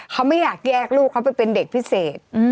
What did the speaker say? เขาไม่อยากแยกลูกเขาไปเป็นเด็กพิเศษ